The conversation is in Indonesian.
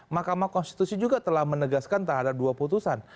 mahkamah konstitusi juga telah menegaskan terhadap dua putusan